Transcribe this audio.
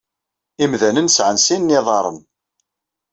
Imdanen sɛan sin n yiḍaṛṛen.